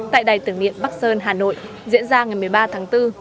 tại đài tưởng niệm bắc sơn hà nội diễn ra ngày một mươi ba tháng bốn